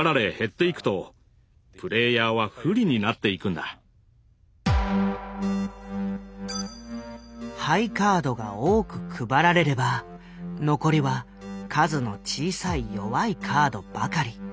だからハイカードが多く配られれば残りは数の小さい弱いカードばかり。